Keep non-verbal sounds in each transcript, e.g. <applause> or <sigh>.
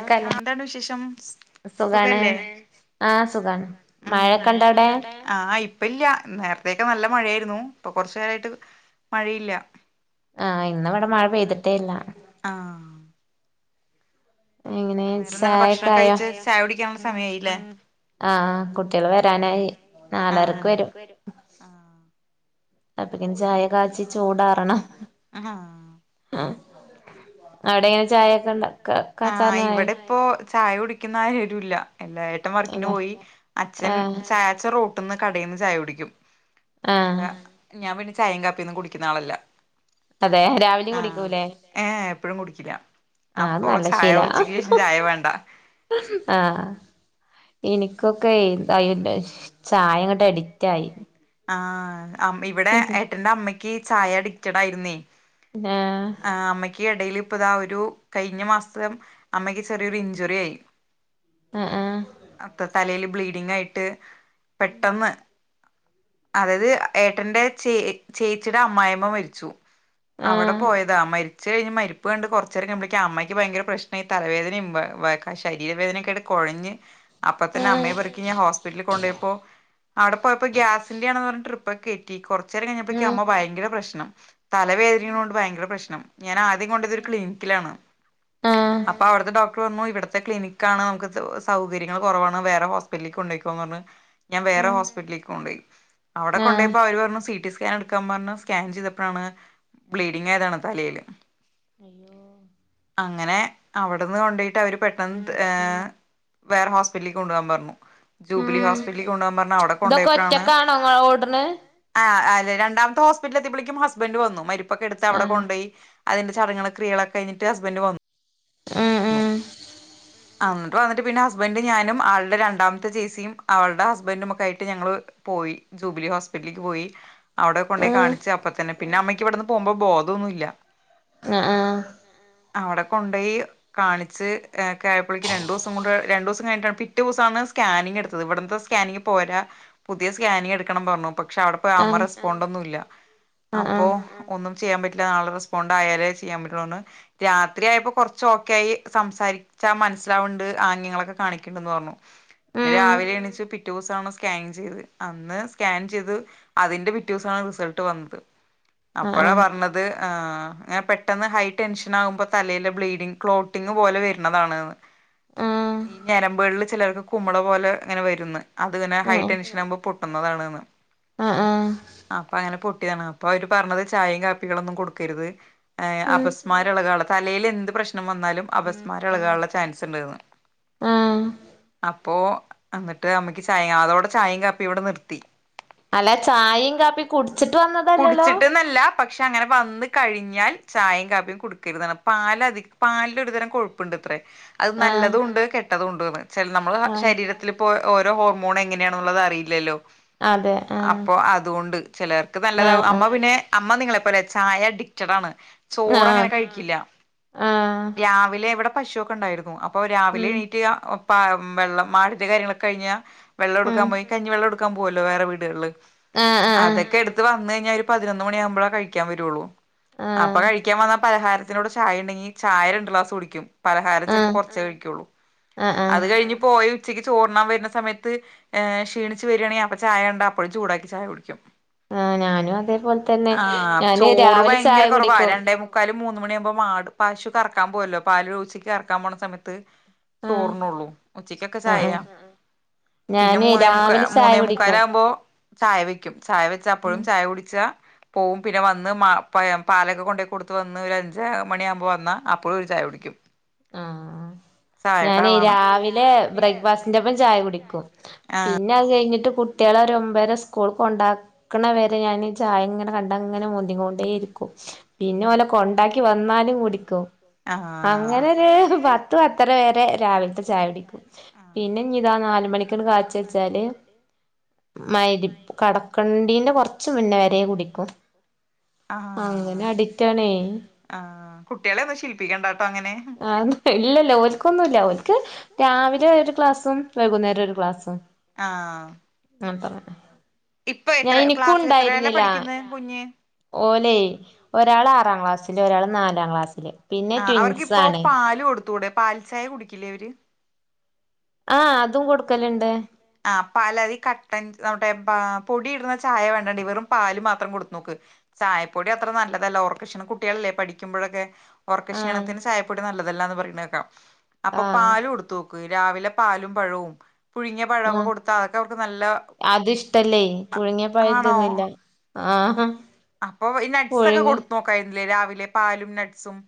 ആഹ് എന്തോണ്ട് വിശേഷം സുഖാണ് സുഖല്ലേ? ആഹ് സുഖാണ് മഴെക്കെ ഇണ്ടാ അവിടെ? ആഹ് ഇപ്പ ഇല്ല നേരത്തൊക്കെ നല്ല മഴയായിരുന്നു ഇപ്പൊ കൊറച്ചു നേരായിട്ട് മഴയില്ലാ ആഹ് ഇന്നിവിടെ മഴ പെയ്തിട്ടേ ഇല്ലാ ആഹ് എങ്ങനെ വേറെ എന്താണ് ചായൊക്കെ ഭക്ഷണൊക്കെ ആയോ കഴിച്ച് ചായ കുടിക്കാനുള്ള സമയായില്ലേ ആഹ് കുട്ട്യേള് വെരാനായി ആ നാലരക്ക് വെരും അപ്പക്കി ചായ കാച്ചി ചൂടാറണം ആ ആ ആഹ് അവിടെ എങ്ങനെ ചായയൊക്കെണ്ടാ കാ ആ കാച്ചാനായോ ഇവിടെ ഇപ്പോ ചായ കുടിക്കുന്ന ആരൂല്ലാ എല്ലാ ഏട്ടൻ വർക്കിന് അതെ പോയി അച്ഛൻ ആഹ് ചായ ച്ചൻ റോട്ട്ന്ന് കടേന്ന് ചായ കുടിക്കും ആഹ് അപ്പേ ഞാൻ പിന്നെ ചായേം കാപ്പിയൊന്നും കുടിക്കുന്ന ആളല്ല അതെ രാവിലെയും ആഹ് കുടിക്കൂലേ ഏഷ് എപ്പഴും കുടി ക്കില്ല ആഹ് അത് അപ്പൊ നല്ല ചായ ശീലാ ഉച്ചയ്ക്ക് ശേഷം ചായ വേണ്ടാ ആഹ് ഇനിക്കൊക്കെയ് <unintelligible> ചായ ഇങ്ങട്ട് അഡിക്റ്റായി ആഹ് അമ്മി ഇവിടെ ഏട്ടന്റെ അമ്മയ്ക്ക് ചായ അഡിക്റ്റഡ് ആയിരുന്നേ <unintelligible> ആഹ് അമ്മയ്ക്ക് എടേല് ഇപ്പ ഇതാ ഒരു കഴിഞ്ഞ മാസം അമ്മയ്ക്ക് ചെറിയൊരു ഇഞ്ച്വറി ആയി ആഹ് ആഹ് അത് തലേല് ബ്ലീഡിങ് ആയിട്ട് പെട്ടെന്ന് അതായത് ഏട്ടന്റെ ചേ ചേച്ചീടെ അമ്മായിമ്മ മരിച്ചു അവിടെ ആഹ് പോയതാ അ മരിച്ച കഴിഞ്ഞ് മരിപ്പ് കണ്ട് കുറച്ച് നേരക്കുമ്പളേക്ക അമ്മയ്ക്ക് ഭയങ്ക പ്രശ്നായി തവേദനയും ശരീര വേദനൊക്കെ എ കുഴഞ്ഞ് അപ്പ തന്ന അമ്മയെ അയ്യോ പെർക്കി ഞാൻ ഹോസ്പിറ്റ്ലീ കൊണ്ടോയപ്പോ അവിടെ പോയപ്പോ ഗ്യാസിന്റെ ആണെന്ന് പറഞ്ഞ് ട്രിപ് പ്പൊ കേറ്റി കൊറച്ചേരം കഴിഞ്ഞപ്പോഴേക്ക് അമ്മ ഭയങ്കര പ്രശ്നം തലവേദനയ കൊണ്ട് ഭയങ്കര പ്രശ്നം ഞാൻ ആദ്യം കൊണ്ടത് ഒരു ക്ലിനിക്കിലാണ് ആഹ് അപ്പൊ അവിടുത്തെ ഡോക്ടർ പറഞ്ഞു ഇവിടുത്തെ ക്ലിനിക്കാണ് നമുക്ക് സൗകര്യങ്ങൾ കുറവാണ് വേറെ ഹോസ്പിറ്റ്ലീക്ക് കൊണ്ടോയ്ക്കോന്ന് പറഞ്ഞു ഞാൻ വേറെ ഹോസ്പിറ്റിലേക്ക് കൊണ്ടോയി അവിടെ കൊണ്ടോയപ്പോ അവര് പറഞ്ഞു സി ടി സ്കാൻ എടുക്കാൻ പറഞ്ഞു സ്കാൻ ചെയ്തപ്പോഴാണ് ങ്ങിയതാണ് തലേല് അയ്യോ അങ്ങനെ അവിടുന്ന് കൊണ്ടോയിട്ട് അവര് പെട്ടെന്ന് ത് ഏഹ് വേറെ ഹോസ്പിലേക്ക് കൊണ്ടോവാൻ പറഞ്ഞു ജൂബിലി ഉം ഹോസ്പിറ്റലിൽ കൊണ്ടു പോകാൻ പറഞ്ഞ് അവിടെ കൊണ്ട് ഇതൊക്കെ പോയപ്പോഴാണ് ഒറ്റക്കാണോ ഇങ്ങള് ഓട്ണ് ആഹ് അല്ല രണ്ടാമത്തെ ഹോസ്പിറ്റിൽ എത്തിയപളേക്കും ഹസ്ബൻ്റ് വന്നു മരിപ്പൊക്കെ എടുത്ത് അവിടെ ആഹ് കൊണ്ടോയി അതിന്റെ ചടങ്ങുകളും ക്രിയകളൊക്കെ കഴിഞ്ഞിട്ട് ഹസ്ബന്റ് വന്നു ഉം എന്നിട്ട് വന്നിട്ട് പിന്നെ ഹസ്ബന്റ് ഞാനും ആളുടെ രണ്ടാമത്തെ ചേച്ചിയും അവളുടെ ഹസ്ബൻ്റും ഒക്കെ ആയിട്ട് ഞങ്ങള് പോയി ജൂബിലി ഹോസ്പിറ്റൽക്ക് പോയി അവിടെ കൊണ്ടോയി കാണിച്ച് അപ്പ തന്നെ പിന്നെ അമ്മയ്ക്ക് ഇവിടുന്ന് പോമ്പോ ബോധൊന്നുല്ല ആഹ് ആഹ് അവിടെ കൊണ്ടോയി കാണിച്ച് ക ആയപ്പിളേക്ക് രണ്ടൂസം കൊണ്ട് രണ്ടൂസം കഴിഞ്ഞിട്ട പിറ്റേസാണ് സ്കാനിംഗ് എടുത്തത് ഇവിടുത്തെ സ്കാനിംഗ് പോരാ പുതിയ സ്കാനിംഗ് എടുക്കണം പറഞ്ഞു ഇപ്പോ പക്ഷെ അവിടെ പോയി അമ്മ ആഹ് റെസ്പോണ്ടൊന്നുല്ല ആഹ് ആഹ് അപ്പോ ആഹ് ഒന്നും ചെയ്യാൻ പറ്റില്ല ആള് റെസ്പോണ്ട് ആയാലേ ചെയ്യാൻ പറ്റുള്ളൂന്ന് രാത്രി ആയപ്പോ കുറച്ച് ക്കായി സംസാരിച്ചാ മനസ്സിലാവണ്ട് ആംഗ്യങ്ങളൊക്കെ കാണിക്കണ്ട്ന്ന് പറഞ്ഞു പിന്നെ ഉം രാവിലെ എണീച്ച് പിറ്റേ ദിവസാണ് സ്കാനിംഗ് ചെയ്തത് അന്ന് സ്കാൻ ചെയ്ത് അതിന്റെ പിറ്റേസാണ് റിസൾട്ട് വന്നത് ആഹ് അപ്പോഴാ ആഹ് പറഞ്ഞത് ആ പെട്ടെന്ന് ഹൈ ടെൻഷൻ ആകുമ്പോ തലയിലെ ബ്ലീഡിംഗ് ക്ലോട്ടിംഗ് പോലെ വരുന്നതാണ് ആഹ് ഈ ഞരമ്പുകളിൽ ചെലോർക്ക് കുമ്ള പോലെ ഇങ്ങനെ വരുന്ന് അത്ങ്ങനെ ഹൈ ആഹ് ടെൻഷൻ ആകുമ്പോ പൊട്ടുന്നതാണ്ന്ന് ആഹ് ആഹ് അപ്പൊ അങ്ങനെ പൊട്ടിയതാണ് അപ്പൊ അവര് പറഞ്ഞത് ചായേം കാപ്പികളൊന്നും കൊടുക്കരുത് ഉം അപസ്മാരളകാള്ള തലേല് എന്ത് പ്രശ്നം വന്നാലും അപസ്മാര ഇളകാള്ള ചാൻസ്ണ്ട്ന്ന് ആഹ് അപ്പോ എന്നിട്ട് അമ്മയ്ക്ക് ചായ അതോടെ ചായേം കാപ്പി ഇവിടെ നിർത്തി അല്ല ചായിം കാപ്പിം കുടിച്ചിട്ട് വന്നതല്ലല്ലോ കുടിച്ചിട്ട്ന്നല്ല പക്ഷെ അങ്ങനെ വന്ന് കഴിഞ്ഞാൽ ചായയും കാപ്പിയും കൊടുക്കരുതാണ് പാലധി പാലിൽ ഒരുതരം കൊഴുപ്പുണ്ടത്രേ അത് ആഹ് നല്ലതുണ്ട് കെട്ടതുണ്ട്ന്ന് ച നമ്മള് ആഹ് ശരീരത്തില് പ്പൊ ഓരോ ഹോർമോൺ എങ്ങനെയാണുള്ളത് അറിയില്ലല്ലോ അതെ ആഹ് അപ്പോ അതുകൊണ്ട് ചിലർ ആഹ് നല്ലതാവും അമ്മ ആഹ് പിന്നെ അമ്മ നിങ്ങളെ പോലെ ചായ അഡിക്റ്റടാണ് ആഹ് ആഹ് രാവിലെ ഇവിടെ പശുക്കെ ഇണ്ടായിരുന്നു അപ്പോ രാവിലെ ഉം വെള്ളം <unintelligible> കാര്യൊക്കെ കഴിഞ്ഞാൽ വെള്ളം ഉം എടുക്കാൻ പോയി കഞ്ഞി വെള്ളം എടു ക്കാം പോവല്ലോ വേറെ വീടുകളില് ആഹ് ആഹ് ആഹ് അതൊക്കെ എടു ത് വന്ന് കഴിഞ്ഞാൽ ഒരു പതിനൊന്ന് മണി ആമ്പളേ കഴിക്കാൻ വരുള്ളൂ അപ്പൊ ആഹ് കഴിക്കാൻ വന്ന പലഹാര ത്തിനോട് ചായ ഇണ്ടങ്കി ചായ രണ്ട് ഗ്ലാസ് കുടിക്കും. പലഹാരം ചെൽപ്പോ ആഹ് കൊർച്ചേ കഴിക്കൊള്ളൂ ആഹ് ആഹ് അത് കഴിഞ്ഞ് പോയി ഉച്ചക്ക് ചോർണ്ണാം വര്ന്ന സമയത്ത് ഏ ക്ഷീണിച് വരാണെങ്കി അപ്പ ചായ കണ്ട അപ്പഴും ചൂടാക്കി ചായ കുടിക്കും. ആഹ് ഞാനും അതേപോലെ തന്നെ ആ ഞാന് ചോറ് രാവിലെ ഭയങ്കര ചായ കോറവാ കുടിക്കും രണ്ടേ മു ക്കാല് മൂന്ന് മണിയാവുമ്പോ മാട് പശു കർക്കാം പോവല്ലോ പാല് ഉച്ചക്ക് കർക്കാം പോണ സമയത്ത് ആഹ് ചോറ്ണ്ണോള്ളൂ ഉച്ചകക്കെ ആഹ് ചായ ആഹ് പിന്നെ ഞാന് മൂന്നേ മുക്കാ രാവിലെ ചായ മൂന്നേ കുടിക്കും മുക്കാലാവുമ്പോ ചായ വെക്യും ചായ വെച് അപ്പഴും ചായ കുടിചാ പോവും പിന്നെ വന്ന് മാ പാ പാലക്കെ കൊണ്ടയി കൊടുത്ത് വന്ന് ഒര് അഞ്ച് മണിയ മ്പോ വന്ന അപ്പഴും ഒരു ചായ കുടിക്യും ആ ഞാനെ ആളാണ് രാവിലെ ബ്രേക്ക്ഫാസ്റ്റിന്റെപ്പം ചായ കുടിക്കും പി ആഹ് ന്നെ അത് കഴിഞ്ഞിട്ട് കുട്ടിയള ഒര് ഒമ്പേര സ്കൂൾ കൊണ്ടാ ക്ക്ണ വരെ ഞാന് ചായ ഇങ്ങനെ കണ്ടങ്ങനെ മൊന്തി കൊണ്ടെ ഇരിക്കും. പിന്നെ ഓലെ കൊണ്ടാക്കി വന്നാലും കുടിക്കും ആഹ് അങ്ങനെര് പത്ത് പ ത്തര വരെ രാവിൽത്ത ചായ കുടിക്കും. പിന്നെ ഇഞ്ഞി ഇതാ നാല് മണികാണ്ട് കാചി വെച്ചാല് മയ്രി കടക്കണ്ടീന്റെ കൊർച് മുന്നെ വരെ കുടിക്കും. അങ്ങനെ കള്ളിന് അഡിക്റ്റാണേ ആഹ് കുട്ടികളെ ഒന്നും ശീലിപ്പിക്കണ്ടാട്ടോ അങ്ങനെ ആ ഇല്ലല്ല ഓൽക്കൊന്നു ഇല്ല ഓൽക് രാവിലെ ഒര് ആ <unintelligible> ഇപ്പ ഞാൻ എത്ര എനിക്കും ക്ലാസ്സ്‌ എത്രേലാ പഠിക്കുന്നെ കുഞ്ഞ് ഓലെ ഒരാള് ആറാം ക്ലാസ്സ്‌ല് ഒരാള് നാലാം ക്ലാസ്സ്‌ല് ആ അവർക്ക് ഇപ്പോ പാല് കൊടുത്തൂടെ പാൽ ചായ കുടിക്കില്ലേ അവര് ആ അതും കൊടുക്കല്ണ്ട്. ആ പലതി കട്ടൻ <unintelligible> പാ പൊടി ഇട്ണ ചായ വേണ്ട ടീ വെറും പാല് മാത്രം കൊടുത്ത് നോക്ക്. ചായപ്പൊടി അത്ര നല്ലതല്ല ഒർക്ക് ക്ഷീണം കുട്ടിയളല്ലേ പഠിക്കുമ്പഴൊക്കെ ഒർക്ക ആഹ് ക്ഷീണത്തിന് ചായപ്പൊടി നല്ലതല്ലാന്ന് പറിണെക്കാ അപ്പൊ ആഹ് പാല്. കൊടുത്തു രാവിലെ പാലും പഴവും പുയ്ങ്ങി ആ അത് ഇഷ്ടല്ലേ പുഴുങ്ങിയ പഴ ആണോ തിന്നില്ല ആ ഹ അപ്പൊ ഈ നട്സക്കെ കൊടുത്തു നോക്കായിരുന്നില്ലേ രാവിലെ പാലും നട്സും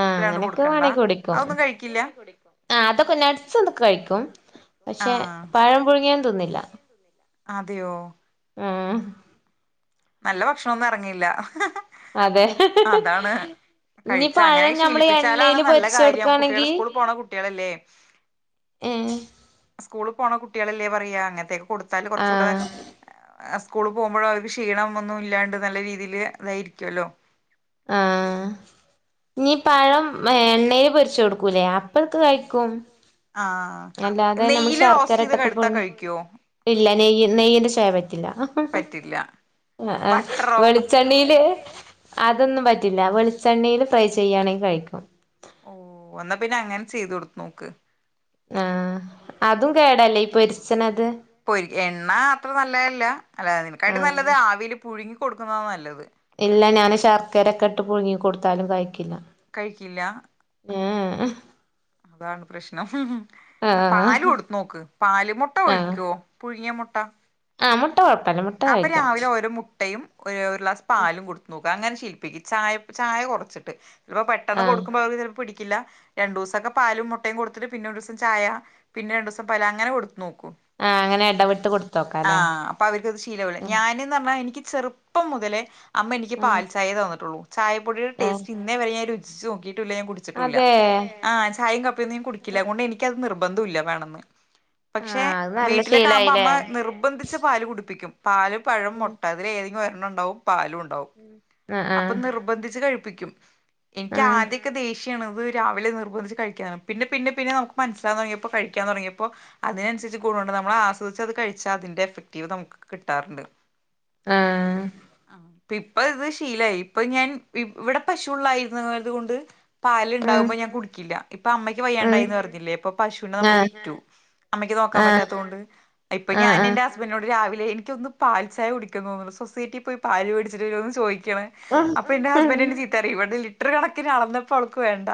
ആ അങ്ങനെക്കെ വേണങ്കി കുടിക്കും അതൊന്നും കഴിക്കില്ല ആ അതൊക്കെ നട്സുംതൊക്കെ കഴിക്കും. പക്ഷെ ആഹ് പഴം പുഴുങ്ങിയൻ തിന്നില്ല. അതെയോ ഉം ഹ് നല്ല ഭക്ഷണൊന്നും എർങ്ങില്ല. അതെ ഇഞ്ഞി കഴിച്ച അങ്ങനെ പയം ഞമ്മള് ശീലിപ്പിച്ചാലാണ് എണ്ണേല് നല്ല കാര്യം പൊരിച്ചോട്ക്കാണെങ്കി കുട്ടികള് സ്കൂളിൽ പോണ കുട്ടികളല്ലേ ഏ സ്കൂള് പോണ കുട്ടിഴളല്ലേ പറയ അങ്ങൻത്തെക്ക് കോടുത്താല് ആ കൊർച്ചൂടെ സ്കൂള് പോവ്മ്പോയൊ അവര്ക്ക് ഷി ക്ഷീണം ഒന്നും ഇല്ലാണ്ട് നല്ല രീതീല് അതായിരിക്കൊല്ലോ ആ നീ പഴം എണ്ണേല് പൊരിച്ച് കൊട്ക്കൂലേ ആ പ്പക്ക് കഴിക്കും. ആഹ് അല്ലാതെ നമ്മള് നെയയില് റോസ്റ്റ് ശർക്കര ഇട്ടൊക്കെ ചെയ്തക്കെടുത്താ പുഴുങ്ങി കഴിക്കേ? ഇല്ല നെയ്യ നെയ്യന്റെ ചൊയ പറ്റില്ല ഹ്. പറ്റില്ല. ആ ആ ബട്ടറോ വെളിച്ചെണ്ണില് അതൊന്നും പറ്റില്ല വെളിച്ചെണ്ണേല് ഫ്രൈ ചെയ്യണെ കഴിക്കും. ഓ എന്നാ പിന്നെ അങ്ങനെ ചെയ്തു കൊടുത് നോക്ക്. ആ അതും കേടല്ലേ ഈ പൊരിച്ച്നത്. പൊരി എണ്ണ അത്ര നല്ലെല്ല അല്ല അയ്നെക്കായിട്ട് നല്ലത് ആഹ് ആവില് പുഴുങ്ങി കൊടുക്കുന്ന നല്ലത്. ഇല്ല ഞാന് ശർക്കരക്കെ ഇട്ട് പുഴുങ്ങി കൊടുത്താലും കഴിക്കില്ല. കഴിക്കില്ല.? ഏഹ് അതാണ് പ്രശ്നം ഹ് ഹ്. പാല് ആഹ് കൊടുത്തു നോക്ക് പാല് മുട്ട ആഹ് കഴിക്കോ പുഴുങ്ങിയ മുട്ട.? ആഹ് മുട്ട കുഴപ്പല്ല മു അപ്പൊ രാവിലെ ഓരോ മുട്ടയും ഒര് ഒരു ഗ്ലാസ് പാലും കൊടുത്തു നോക്. അങ്ങനെ ശില്പ്പിക്ക ചായ ചായ കൊറച്ചിട്ട് പ പെട്ടെന്ന് ആഹ് കൊടുക്കുമ്പോ അവർക്ക് പിടി ല്ല രണ്ടു ദിവസംക്കെ പാലും മുട്ടയും കൊടുത്തിട്ട് പിന്നെ ഒര് സം ചായ. പിന്നെ രണ്ടു സം പല അങ്ങനെ കൊടുത്തു നോക്കു ആഹ് അങ്ങനെ ഇടവിട്ട് ആ കൊടുത്തോക്കാല്ലേ അപ്പൊ അതി ഉം ഞാന്ന്ന് ർണാ എനിക്ക് ചെറുപ്പം മുതലേ അമ്മ എനിക്ക് ഉം പാൽചായെ തന്ന്ട്ടുള്ളൂ. ചായപ്പൊടിടെ ആഹ് ടേസ്റ്റ് ഇന്നേ വരെ ഞാൻ രുചിച്ച് നോക്കിട്ടുല്ല ഞാൻ കുടിച്ചിട്ടൂല്ല. അതേ ആഹ് ചായയും കപ്പിഒന്നും ഞാ കുടിക്കില്ല അത് കൊണ്ട് എനിക്കത് നിർബന്ധംല്ല വേണന്ന്. പക്ഷെ ആഹ് അത് നല്ല വീട്ടിലെക്കെ ആമ്പ ശീലായില്ലേ അമ്മ നിർബന്ധിച്ച് പാല് കുടിപ്പിക്കും. പാല് പഴം ഉം മുട്ട അതില ഏതെങ്കിലു ഒരെണ്ണം ണ്ടാവും പാലും ണ്ടാവും. ഉം ആഹ് അപ്പൊ നിർബന്ധിച്ച് കഴിപ്പിക്കും എനിക്ക് ആഹ് ആദ്യക്കെ ദേശ് ണത് രാവിലെ നിർബന്ധിച്ച് കഴിക്കാന പിന്നെ പിന്നെ പിന്നെ നമുക്ക് മനസ്സിലാവ തൊടങ്ങിപ്പോ കഴിക്കാൻ തുടങ്ങ്യപ്പോ അതിനന്സരിച്ച് ഗുണണ്ട് നമ്മൾ ആസ്വദിച്ച് അത് കഴിച്ചാ അതിന്റെ എഫക്റ്റീവ് നമുക്ക് കിട്ടാറ്ണ്ട്. ആഹ് ആ ഇപ്പ ഇപ്പൊ ഇത് ശീലയി ഇപ്പൊ ഞാൻ ഇവടെ പശുള്ളായിരുന്നത് കൊണ്ട് പാല് ഉം ണ്ടാമ്പോ ഞാൻ കുടിക്കില്ല ഇപ്പൊ അമ്മയ്ക്ക് ഉം വയ്യാണ്ടായിന്ന് പറഞ്ഞില്ലേ ഇപ്പൊ പശുനെ നമ്മൾ ആഹ് വിറ്റു. അമ്മയ്ക്ക് നോക്കാ ആഹ് പറ്റാത്തോണ്ട് ഇപ്പൊ ഞാൻ ആഹ് ആഹ് എന്റെ സ് പ്പ ന്നോട് രാവിലെ എനിക്കൊന്ന് പാൽ ചായ കുടിക്കാൻ തോന്നുന്നുണു സൊസൈറ്റിയി പോയ് പൽല്മേടിച്ചിട്ട് വരോന്ന് ചോയ്ക്ക്ണ്. ഉം അപ്പൊ എന്റെ ഹസ്ബന്റ് ഉം എന്നെ ചീത്തറി ഇവടെ ലിറ്റർ കണക്കിന് അളന്നപ്പോ അവൾക്ക് വേണ്ട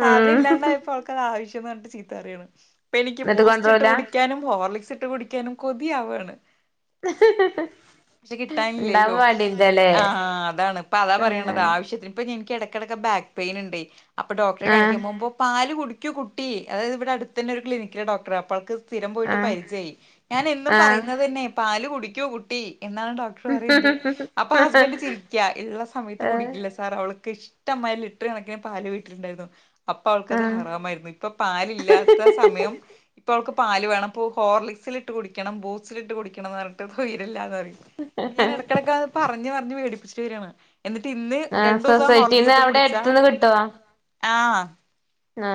സാധനം ഉം ഇല്ലാണ്ടായപ്പോ അവൾക് ആവശ്യം ന്ന് ർട്ട് ചീത്ത പറയാണ്. ഇപ്പ എനിക്ക് എന്നിട്ട് ബൂസ്റ്റ് ഇട്ട് കൊണ്ടരൂല കുടിക്കാനും ഹോർലിക്സ് ഇട്ട് കുടിക്കാനും കൊതിവയാണ്. ഷെ കിട്ടാല്ലല്ലോ. ഇണ്ടാവാൻ വേണ്ടിണ്ടല്ലേ ആഹ അതാണ് ഇപ്പൊ അതാ പറയണത് ആഹ് ആവശ്യത്തിന് പ്പോ നിക്കേടെ കെടക്കെ ബാക്ക് പെയിൻ ണ്ടെ അപ്പൊ ഡോക്ടറെ കാണിയ്കാ പോമ്പോ പല് കുടി ക്യ കുട്ടി അതാത് ഇവിടെ അട്തെന്നെ ഒരു ക്ലിനിക്കിലെ ഡോക്ടറ അപ്പൾക്ക് സ്ഥിരം പോയിട്ട് ആഹ് പരിജ്യായ് ഞാൻ എന്നും ആഹ് പറയുന്നത് ന്നെ പാല് കുടിക്കു കുട്ടി എന്നാണ് ഡോക് പറയ്ണ്ട് അപ്പൊ ഹസ്ബന്റ് ചിരി ഉള്ള സമയത്ത് ആഹ് കുടിക്കില്ല സാർ അവൾക്ക് ഇഷ്ടമായ ലിറ്റർ കണക്കിന് പാല് വീട്ടില്ണ്ടായ്രുന്നു. അപ്പൊ ആഹ് അവൾക്കത് ആഹ് ഹറാമായിരുന്നു ഇപ്പൊ പാല് ഇല്ലാത്ത സമയം ഇപ്പൊ അവൾക്ക് പാല് വേണം പ്പോ ഹോർലിക്സിൽ ഇട്ട് കുടിക്കണം ബൂസ്റ്റിലിട്ട് കുടിക്കണംന്ന് ർണ് ട്ട് സ്വയ്രല്ലാ ന്ന് റയ് ഇപ്പൊ ഞാൻ എടക്കെടക്കത് പറഞ്ഞ പറഞ്ഞ് വേടിപ്പിചിട്ട് വെരാണ്. എന്നിട്ട് ഇന്ന് ആഹ് രണ്ടു സം സൊസൈറ്റീന്ന് ഹോർളിക്സിട്ട് അവിടെ കുടിച്ചാ അടുത്ത്ന്ന് കിട്ടോ ആ. ആഹ്.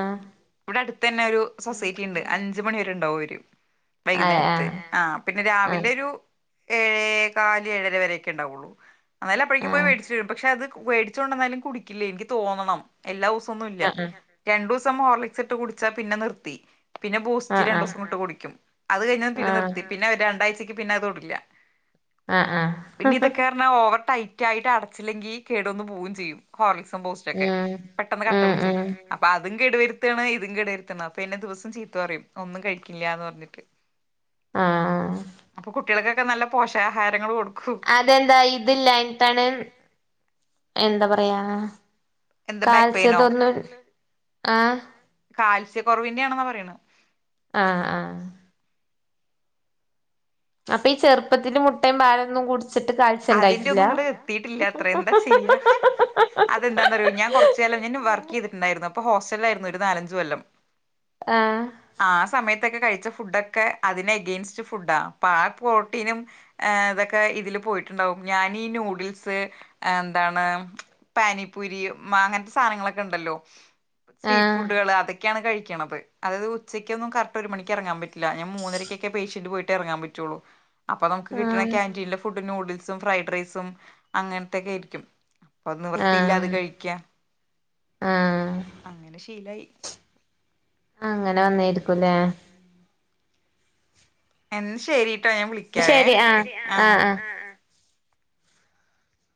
ഇവടെ അടുത്തന്നെ ഒരു സൊസൈറ്റിണ്ട് അഞ്ചു മണി വരെണ്ടാവും ഓര്. ആഹ് വൈകുന്നേരത്ത്. ആഹ് പിന്നെ രാവിലെ ആഹ് ഒരു ഏഴേ കാല് ഏഴര വരെയൊക്കെ ഇണ്ടാവൊള്ളു. അന്നാലും അപ്പഴേക്കും പോയി ആഹ് വേടിച്ചിട്ട് വരും പക്ഷെ അത് വേടിച്ച് കൊണ്ടന്നാലും കുടിക്കില്ലേ. ഇൻക്ക് തോന്നണം. എല്ലാ ദൂസൊന്നും ഇല്ല ആഹ് രണ്ടൂസം ഹോർലിക്സ് ട്ട് കുടിച്ചാ പിന്നെ നിർത്തി. പിന്നെ ബൂസ്റ്റ്‌ ആഹ് രണ്ടോസം ഇട്ട് കുടിക്കും അത് കഴിഞ്ഞ ആഹ് പിന്നെ ആഹ് നിർത്തി. പിന്നെ രണ്ടാഴ്ച്ച ക്ക് പിന്നത് തൊടില്ല. ആഹ് ആഹ് പിന്നിതെക്കെ ന്നാ ഓവർ ടൈറ്റ് ആയിട്ട് അടച്ചില്ലെങ്കി കേട് വന്നു പൂവും ചെയ്യും ഹോർലിക്സും ബൂസ് റ്റൊക്കെ. പെട്ടെന്ന് കട്ട ഉം പിടിച്ചും. ഉം ഉം അ പ്പ അതും കേടുവരുത്താണ് ഇതും കേടുവരുത്താണ് അപ്പൊ എന്നെ ദിവസം ചീത്ത പറയും ഒന്നും കഴിക്കിൺല്ല്യാന്ന് പറഞ്ഞിട്ട്. ആഹ് ആഹ്. അപ്പൊ കുട്ടിയേൾക്കൊക്കെ നല്ല പോഷാഹാരങ്ങൾ കൊടുക്കൂ. അതെന്താ ഇതില്ലായിട്ടാണ് എന്ത പറയാ? എന്താ ബാക്ക് കാൽസ്യ പെയിനോ തൊർന് ആഹ് കാൽസ്യക്കൊറവിൻ്റെ യാണെന്നാ പറയ്ണ്. ആഹ് ആഹ്. അപ്പൊ ഈ ചെറുപ്പത്തില് മുട്ടയും പാലൊന്നും കുടിച്ചിട്ട് കാഴ്ച അതിന്റെ ഉണ്ടായിട്ടില്ല ഒന്നും ഇങ്ങട് എത്തീട്ടില്ലാ ത്രെ എന്താ ചെയ്യാ. അതെന്താന്നറിയോ ഞാൻ കൊറച്ച് കാലം ഞാൻ വർക്ക് ചെയ്തിട്ടുണ്ടായിരുന്നു. അ പ്പൊ ഹോസ്റ്റലിലായിരുന്നു ഒരു നാലഞ്ച് കൊല്ലം. ആഹ്. ആ സമയത്തൊക്കെ കഴിച്ച ഫുഡൊക്കെ അതിനെ എഗെയിൻസ്റ്റ് ഫുഡാ അപ്പ ആ പോ ട്ടിനും ഏഹ് ഇതൊക്കെ ഇതിൽ പോയിട്ടുണ്ടാവും. ഞാനീ നൂഡിൽസ് ഏന്താണ്, പാനിപ്പൂരി മാ അങ്ങൻത്തെ സാനങ്ങളൊക്കെണ്ടല്ലോ. സ്ട്രീറ്റ് ആഹ് ഫുഡേള് അതൊക്കെയാണ് കഴിക്ക്ണത്. അതായത് ഉച്ചക്കൊന്നും കറക്റ്റ് ഒരു മണിക്കെറങ്ങാൻ പറ്റി ല്ല ഞാൻ മൂന്നരയ്ക്കൊക്കെ പേഷ്യന്റ് പോയിട്ട് എറങ്ങാൻ പറ്റൊള്ളൂ. അപ്പൊ നമുക്ക് കിട്ട്ണ ആഹ് ക്യാന്റീനിലെ ഫുഡും നൂഡിൽസും ഫ്രൈഡ് റൈസും അങ്ങനത്തെക്കെ ആയിരിക്കും. അപ്പത് നിവർത്തിയില്ലാതെ ആഹ് കഴിക്ക്യ. ആഹ് അങ്ങനെ ശീലായി. അങ്ങനെ വന്നേര്ക്കുല്ലേ? എന്ന ശരിട്ടോ ഞാൻ വിളിക്കാവേ ശരി ആഹ് ആഹ്.